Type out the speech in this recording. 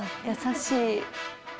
優しい。